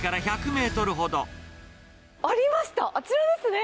あちらですね。